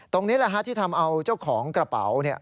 ตรงนี้แหละฮะที่ทำเอาเจ้าของกระเป๋า